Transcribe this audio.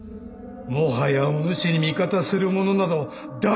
もはやお主に味方する者など誰もおらぬわ。